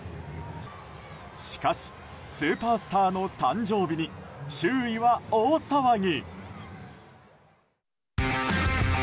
しかしスーパースターの誕生日に周囲は大騒ぎ。